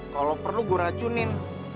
kalo perlu gua racunin